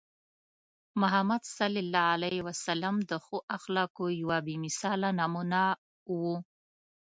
محمد صلى الله عليه وسلم د ښو اخلاقو یوه بې مثاله نمونه وو.